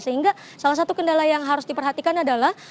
sehingga salah satu kendala yang harus diperhatikan adalah